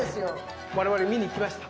我々見に行きました。